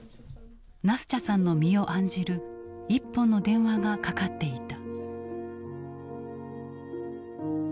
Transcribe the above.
ナスチャさんの身を案じる一本の電話がかかっていた。